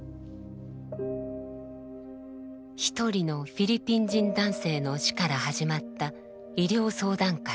一人のフィリピン人男性の死から始まった医療相談会。